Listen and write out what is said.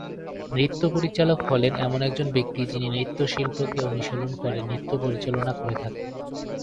নৃত্য পরিচালক হলেন এমন একজন ব্যক্তি যিনি নৃত্য শিল্পকে অনুশীলন করে নৃত্য পরিচালনা করে থাকেন।